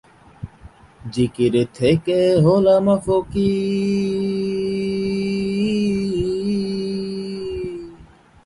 পিতার নাম ছিল রাধাগোবিন্দ মল্লিক।